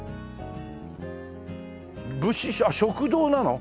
武士あっ食堂なの？